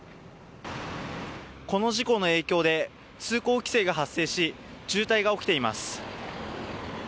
この事故の影響で通行規制が発生し渋滞が起きています。